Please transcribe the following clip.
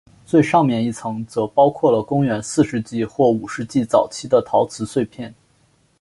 最上面一层则包括了公元四世纪或五世纪早期的陶瓷碎片。